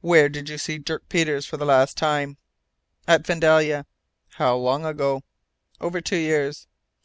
"Where did you see Dirk Peters for the last time?" "At Vandalia." "How long ago?" "Over two years."